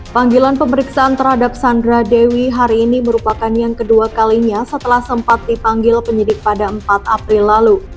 panggilan pemeriksaan terhadap sandra dewi hari ini merupakan yang kedua kalinya setelah sempat dipanggil penyidik pada empat april lalu